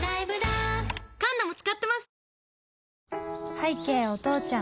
拝啓お父ちゃん